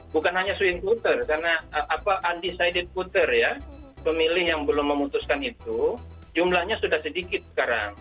bukan hanya swing voter karena undecided voter ya pemilih yang belum memutuskan itu jumlahnya sudah sedikit sekarang